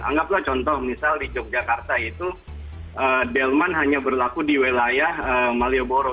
anggaplah contoh misal di yogyakarta itu delman hanya berlaku di wilayah malioboro